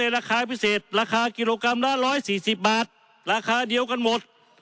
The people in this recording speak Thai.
ราคากิโลกรัมละ๑๔๐บาทราคาเดียวกันหมด